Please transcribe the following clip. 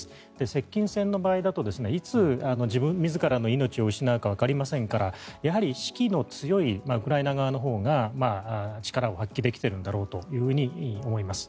接近戦の場合だといつ自らの命を失うかわかりませんからやはり士気の強いウクライナ側のほうが力を発揮できているんだろうと思います。